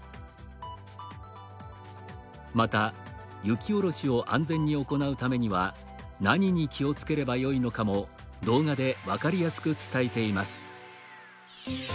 また、雪下ろしを安全に行うためには何に気をつければよいのかも動画で分かりやすく伝えています。